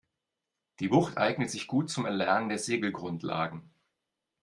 Die Bucht eignet sich gut zum Erlernen der Segelgrundlagen.